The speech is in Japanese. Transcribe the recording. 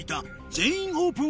全員オープン！